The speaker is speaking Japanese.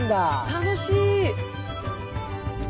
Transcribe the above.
楽しい！